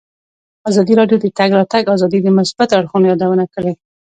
ازادي راډیو د د تګ راتګ ازادي د مثبتو اړخونو یادونه کړې.